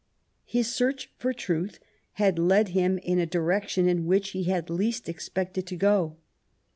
His search for truth led him in a direction in which he had least expected to go.